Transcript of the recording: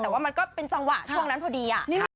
แต่ว่ามันก็เป็นจังหวะช่วงนั้นพอดี